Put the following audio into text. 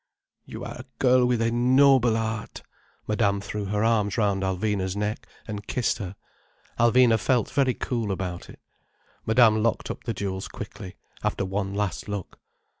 "You are a girl with a noble heart—" Madame threw her arms round Alvina's neck, and kissed her. Alvina felt very cool about it. Madame locked up the jewels quickly, after one last look.